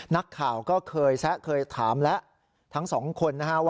นักข่าวก็เคยแซะเคยถามแล้วทั้งสองคนนะฮะว่า